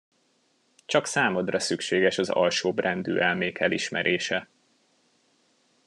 Csak számodra szükséges az alsóbbrendű elmék elismerése.